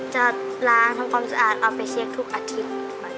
จะล้างทำความสะอาดเอาไปเช็คทุกอาทิตย์